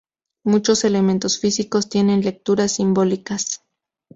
Muchos elementos físicos tienen lecturas simbólicas.